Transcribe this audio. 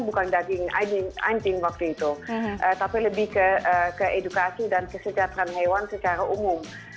bukan daging anjing waktu itu tapi lebih ke edukasi dan kesejahteraan hewan secara umum